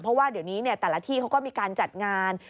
เพราะว่าเดี๋ยวนี้แต่ละที่เขาก็มีการจัดงาน